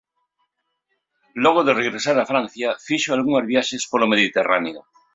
Logo de regresar a Francia fixo algunhas viaxes polo Mediterráneo.